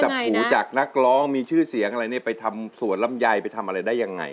หูจากนักร้องมีชื่อเสียงอะไรเนี่ยไปทำสวนลำไยไปทำอะไรได้ยังไง